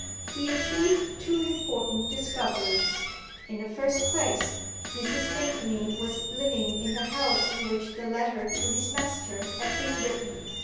He achieved two important discoveries. In the first place, Mrs. Vimpany was living in the house in which the letter to his master had been written.